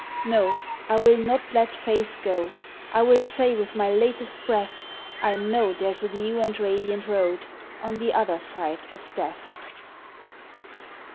No, I will not let Faith go! I will say with my latest breath I know there's a new and radiant road On the other side of Death.